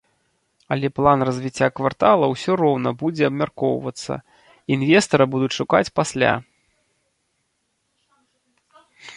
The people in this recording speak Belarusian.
Але план развіцця квартала ўсё роўна будзе абмяркоўвацца, інвестара будуць шукаць пасля.